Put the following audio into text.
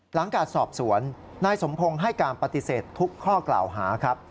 หลังการสอบสวนนายสมพงศ์ให้การปฏิเสธทุกข้อกล่าวหาครับ